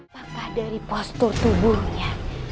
apakah dari postur tubuhnya